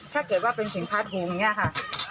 ถ้าเก็บว่าเป็นสินค้าดูงอย่างนี้ค่ะ